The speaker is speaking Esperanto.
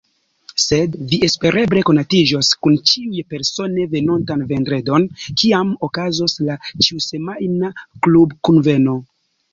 Sed vi espereble konatiĝos kun ĉiuj persone venontan vendredon, kiam okazos la ĉiusemajna klubkunveno.